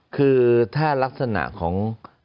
คือถ้ารักษณะของ